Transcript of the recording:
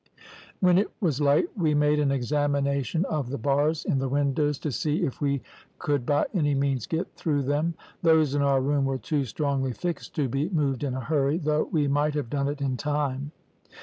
"When it was light we made an examination of the bars in the windows to see if we could by any means get through them. Those in our room were too strongly fixed to be moved in a hurry, though we might have done it in time.